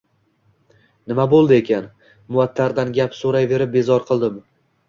Nima boʻldi ekan? Muattardan gap soʻrayverib bezor qildim.